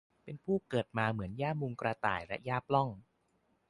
เป็นผู้เกิดมาเหมือนหญ้ามุงกระต่ายและหญ้าปล้อง